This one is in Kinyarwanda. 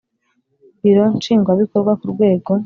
Biro nshingwabikorwa ku rwego